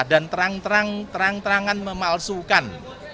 dan terang terangan memalsukan